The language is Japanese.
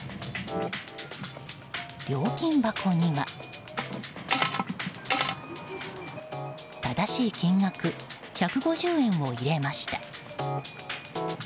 料金箱には正しい金額１５０円を入れました。